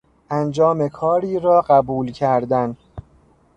انجام کاری را قبول کردن